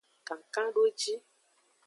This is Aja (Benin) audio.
Kankandoji.